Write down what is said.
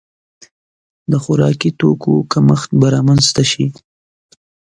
د خوراکي توکو کمښت به رامنځته شي.